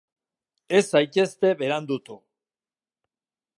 Ez zaitezte berandutu.